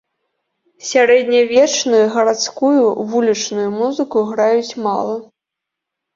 Сярэднявечную, гарадскую, вулічную музыку граюць мала.